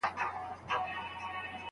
هغه کس خپل زوی واخيست.